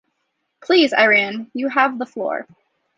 Please, Iran, you have the floor.